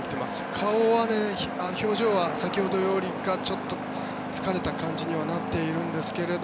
顔は、表情は先ほどよりかはちょっと疲れた感じにはなっているんですけど